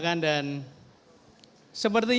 dan begitu pun gus yassin sudah kerja lima tahun